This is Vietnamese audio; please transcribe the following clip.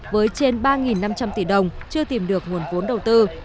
với trên ba năm trăm linh tỷ đồng chưa tìm được nguồn vốn đầu tư